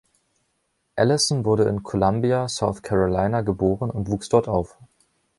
Allison wurde in Columbia, South Carolina geboren und wuchs dort auf.